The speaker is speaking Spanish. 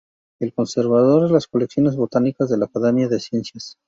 Es conservador de las colecciones botánicas de la Academia de las ciencias.